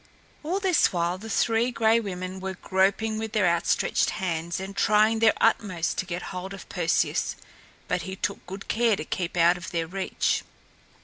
All this while the Three Gray Women were groping with their outstretched hands and trying their utmost to get hold of Perseus. But he took good care to keep out of their reach.